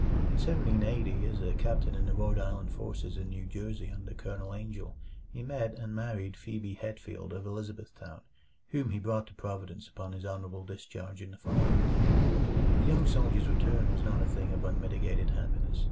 In 1780, as a captain in the Rhode Island forces in New Jersey under Colonel Angell, he met and married Phebe Hetfield of Elizabethtown, whom he brought to Providence upon his honorable discharge in the following year. The young soldier's return was not a thing of unmitigated happiness.